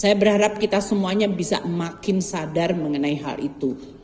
saya berharap kita semuanya bisa makin sadar mengenai hal itu